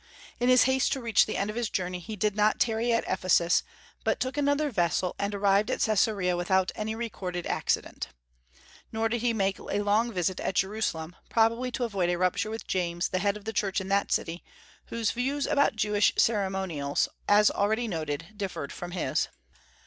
In his haste to reach the end of his journey he did not tarry at Ephesus, but took another vessel, and arrived at Caesarea without any recorded accident. Nor did he make a long visit at Jerusalem, probably to avoid a rupture with James, the head of the church in that city, whose views about Jewish ceremonials, as already noted, differed from his.